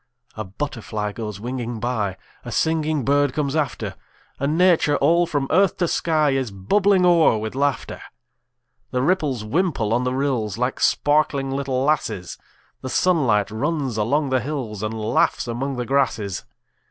A butterfly goes winging by; A singing bird comes after; And Nature, all from earth to sky, Is bubbling o'er with laughter. The ripples wimple on the rills, Like sparkling little lasses; The sunlight runs along the hills, And laughs among the grasses.